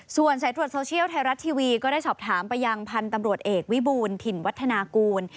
ส่วนสายตรวจโซเชียลไทยรัฐทีวีก็ได้สอบถามไปยังพันธุ์ตำรวจเอกวิบูลถิ่นวัฒนากูล